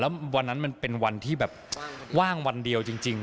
แล้ววันนั้นมันเป็นวันที่แบบว่างวันเดียวจริง